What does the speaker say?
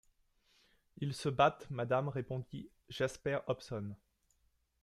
Ils se battent, madame, répondit Jasper Hobson.